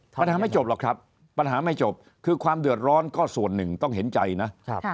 ปัญหาไม่จบหรอกครับปัญหาไม่จบคือความเดือดร้อนก็ส่วนหนึ่งต้องเห็นใจนะ